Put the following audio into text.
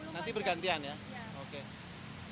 nanti bergantian ya